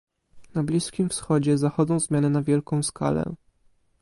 Na Bliskim Wschodzie zachodzą zmiany na wielką skalę